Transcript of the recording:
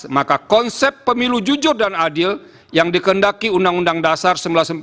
maka konsep pemilu jujur dan adil yang dikendaki undang undang dasar seribu sembilan ratus empat puluh